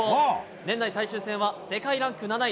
年内最終戦は世界ランク７位